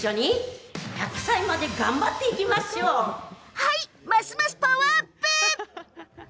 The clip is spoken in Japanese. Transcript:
はい、ますますパワーアップ！